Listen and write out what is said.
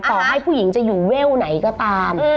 ต่อให้ผู้หญิงจะอยู่เวลไหนก็ตาม